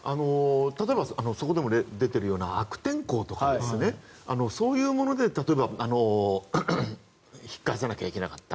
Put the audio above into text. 例えばそこでも例が出ているような悪天候とかそういうもので引き返さなきゃいけなかった。